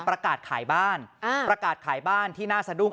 ประกาศขายบ้านประกาศขายบ้านที่น่าสะดุ้ง